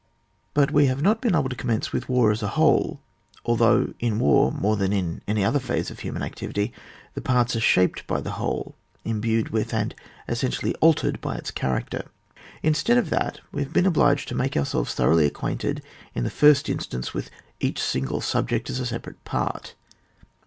But we have not been able to commence with war as a whole, although in war more than in any other phase of human activity, the parts are shaped by the whole, imbued with and essentially altered by its character ; instead of that, we have been obliged to make ourselves thoroughly acquainted, in the first in stance, with each single subject as a separate part.